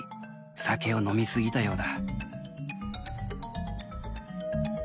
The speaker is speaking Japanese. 酒を飲み過ぎたようだ